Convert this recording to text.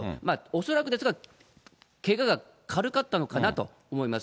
恐らくですが、けがが軽かったのかなと思います。